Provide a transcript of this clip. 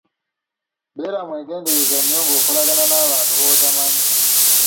Beera mwegendereza nnyo ng'okolagana n'abantu b'otomanyi.